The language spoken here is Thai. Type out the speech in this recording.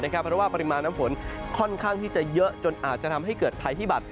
เพราะว่าปริมาณน้ำฝนค่อนข้างที่จะเยอะจนอาจจะทำให้เกิดภัยพิบัตร